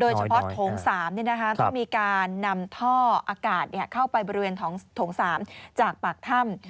โดยเฉพาะโถง๓ต้องมีการนำท่ออากาศเข้าไปบริเวณโถง๓จากปากถ้ำ